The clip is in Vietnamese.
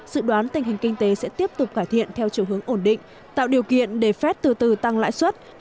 dự đoán tình hình kinh tế sẽ tiếp tục cải thiện theo chiều hướng ổn định tạo điều kiện để phép từ từ tăng lãi suất